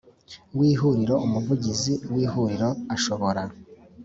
W ihuriro umuvugizi w ihuriro ashobora